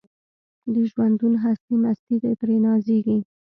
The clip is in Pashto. د ژوندون هستي مستي ده پرې نازیږي